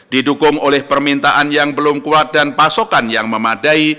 didukung oleh permintaan yang belum kuat dan pasokan yang memadai